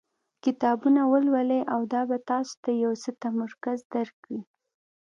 کتابونه ولولئ او دا به تاسو ته یو څه تمرکز درکړي.